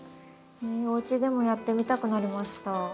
おうちでもやってみたくなりました。